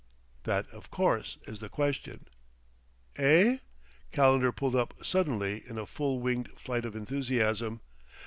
"That, of course, is the question." "Eh?" Calendar pulled up suddenly in a full winged flight of enthusiasm.